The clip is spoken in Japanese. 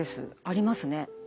ありますね。